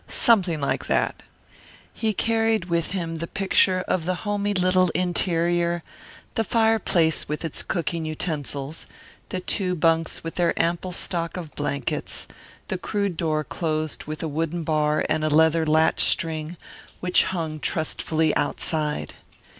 Something like that. He carried with him the picture of the homey little ulterior, the fireplace with its cooking utensils, the two bunks with their ample stock of blankets the crude door closed with a wooden bar and a leather latch string, which hung trustfully outside.